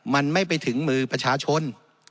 มันไม่ไปถึงมือประชาชน